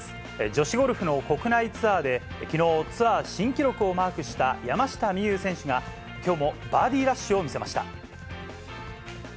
女子ゴルフの国内ツアーで、きのう、ツアー新記録をマークした山下美夢有選手が、きょうもバーディーラッシュを見せました。